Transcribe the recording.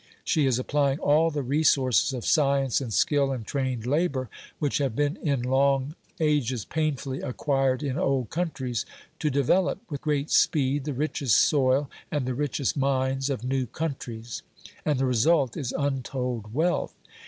She is applying all the resources of science and skill and trained labour, which have been in long ages painfully acquired in old countries, to develop with great speed the richest soil and the richest mines of new countries; and the result is untold wealth.